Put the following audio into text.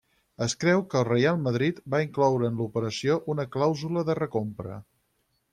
Es creu que el Real Madrid va incloure en l'operació una clàusula de recompra.